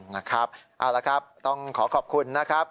นะครับเอาละครับต้องขอขอบคุณนะครับ